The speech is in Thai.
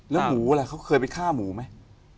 แล้วหมูอะไรเขาเคยไปฆ่าหมูไหม